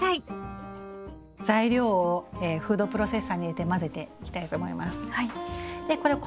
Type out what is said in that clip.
材料をフードプロセッサーに入れて混ぜていきたいと思います。